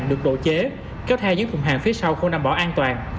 được độ chế kéo theo những thùng hàng phía sau không đảm bảo an toàn